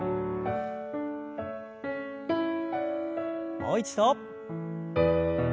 もう一度。